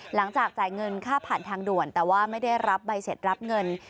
จ่ายเงินค่าผ่านทางด่วนแต่ว่าไม่ได้รับใบเสร็จรับเงิน